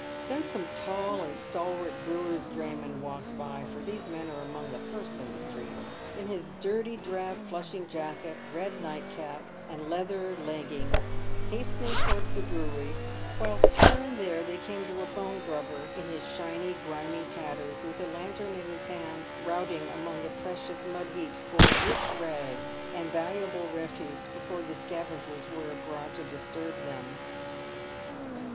Then some tall and stalwart brewer's drayman walked by (for these men are among the first in the streets), in his dirty, drab, flushing jacket, red night cap, and leathern leggings, hastening towards the brewery ; whilst here and there they came to a bone grubber, in his shiny grimy tatters, with a lantern in his hand, " routing" among the precious mud heaps for rich rags and valuable refuse, before the scavengers were abroad to disturb them.